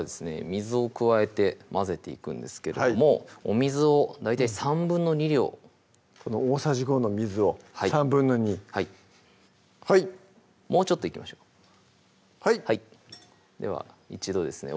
水を加えて混ぜていくんですけれどもお水を大体２／３量大さじ５の水を２／３はいはいもうちょっといきましょうはいでは一度ですね